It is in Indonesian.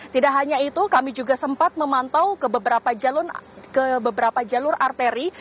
tidak hanya itu kami juga sempat memantau ke beberapa jalur arteri